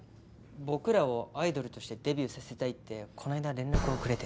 僕らをアイドルとしてデビューさせたいってこの間連絡をくれて。